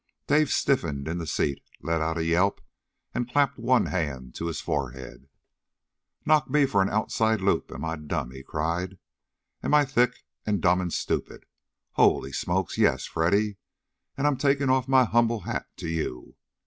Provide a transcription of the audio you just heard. Dave stiffened in the seat, let out a yelp, and clapped one hand to his forehead. "Knock me for an outside loop, am I dumb!" he cried. "Am I thick, and dumb, and stupid! Holy smokes, yes, Freddy! And I'm taking off my humble hat to you.